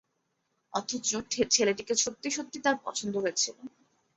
অথচ ছেলেটিকে সত্যি সত্যি তাঁর পছন্দ হয়েছিল।